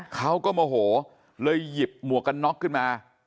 เขาก็โมโหเลยหยิบหมวกกันน็อกขึ้นมา